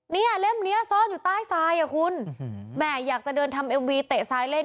เล่มนี้ซ่อนอยู่ใต้ทรายอ่ะคุณแม่อยากจะเดินทำเอ็มวีเตะซ้ายเล่น